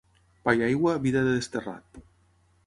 Pa i aigua, vida de desterrat.